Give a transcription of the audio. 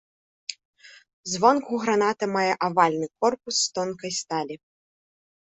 Звонку граната мае авальны корпус з тонкай сталі.